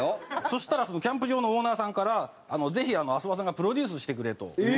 そしたらそのキャンプ場のオーナーさんからぜひ阿諏訪さんがプロデュースしてくれと言われまして。